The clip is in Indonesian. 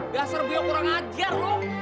gaser beliau kurang ajar lu